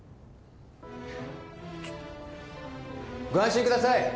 ちょっご安心ください